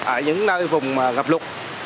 ở những nơi vùng ngập lụt